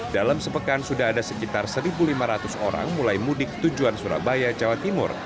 dalam sepekan sudah ada sekitar satu lima ratus orang mulai mudik tujuan surabaya jawa timur